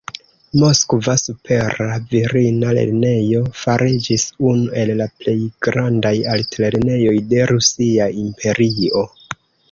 Moskva supera virina lernejo fariĝis unu el la plej grandaj altlernejoj de Rusia Imperio.